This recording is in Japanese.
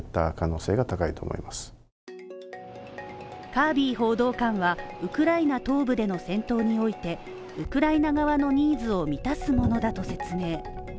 カービー報道官はウクライナ東部での戦闘において、ウクライナ側のニーズを満たすものだと説明